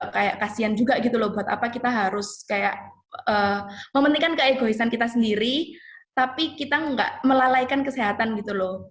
kayak kasian juga gitu loh buat apa kita harus kayak mementingkan keegoisan kita sendiri tapi kita nggak melalaikan kesehatan gitu loh